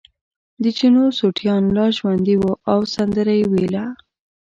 د چینو سوټیان لا ژوندي وو او سندره یې ویله.